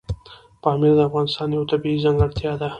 پامیر د افغانستان یوه طبیعي ځانګړتیا ده.